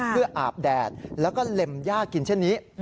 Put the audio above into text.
เพื่ออาบแดดแล้วก็เล็มย่ากินเช่นนี้